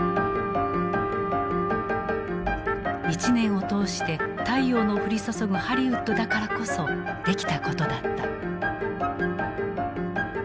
１年を通して太陽の降り注ぐハリウッドだからこそできたことだった。